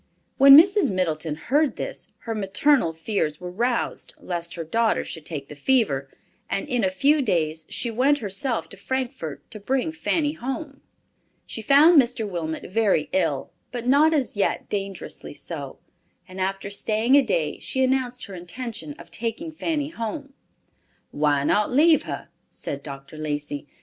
When Mrs. Middleton heard this, her maternal fears were roused lest her daughter should take the fever, and in a few days she went herself to Frankfort to bring Fanny home. She found Mr. Wilmot very ill, but not as yet dangerously so, and after staying a day, she announced her intention of taking Fanny home. "Why not leave her?" said Dr. Lacey.